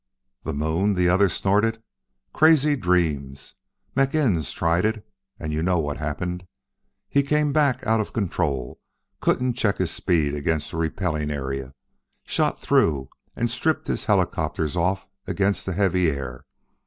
"The moon!" the other snorted. "Crazy dreams! McInness tried it, and you know what happened. He came back out of control couldn't check his speed against the repelling area shot through and stripped his helicopters off against the heavy air.